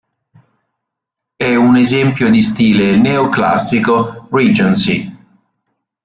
È un esempio di stile neoclassico "Regency".